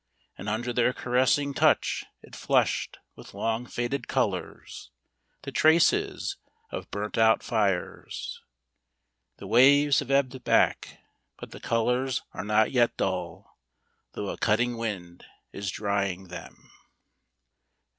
. and under their caressing touch it flushed with long faded colours, the traces of burnt out fires ! The waves have ebbed back ... but the colours are not yet dull, though a cutting wind is drying them.